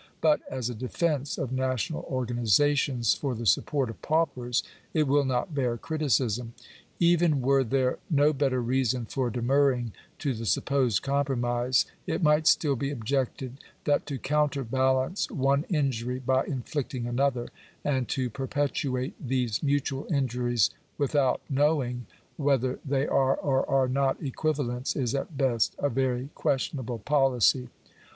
But as a defence of national organizations for the support of paupers, it will not bear criticism. Even were there no better reason for demurring to the supposed compromise, it might still be objected that to counterbalance one injury by inflicting another, and to perpetuate these mutual injuries without know ing whether they are or are not equivalents, is at best a very questionable policy.